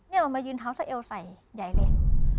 มันมายืนท้าวเซอร์เอลใส่ใหญ่เลย